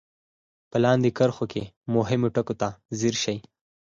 په لاندې کرښو کې مهمو ټکو ته ځير شئ.